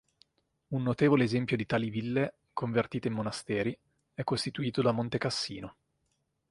Un notevole esempio di tali ville convertite in monasteri è costituito da Montecassino.